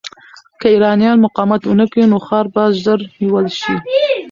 که ایرانیان مقاومت ونه کړي، نو ښار به ژر نیول شي.